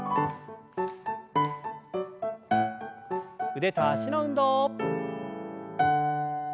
腕と脚の運動。